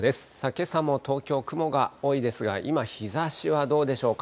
けさも東京、雲が多いですが、今、日ざしはどうでしょうか。